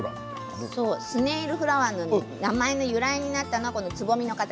スネールフラワーの名前の由来になったのが、つぼみの形。